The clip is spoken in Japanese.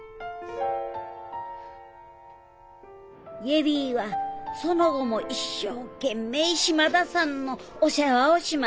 恵里はその後も一生懸命島田さんのお世話をしました。